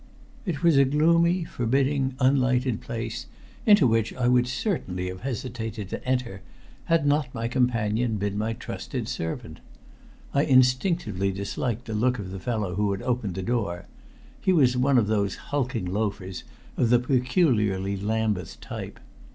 It was a gloomy, forbidding, unlighted place into which I would certainly have hesitated to enter had not my companion been my trusted servant. I instinctively disliked the look of the fellow who had opened the door. He was one of those hulking loafers of the peculiarly Lambeth type.